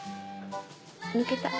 抜けた。